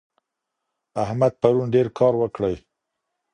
احمد پرون ډېر کار وکړی.